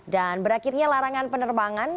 dan berakhirnya larangan penerbangan